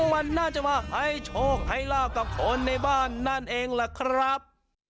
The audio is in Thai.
มันน่าจะมาให้โชคให้ลาบกับคนในบ้านนั่นเองล่ะครับ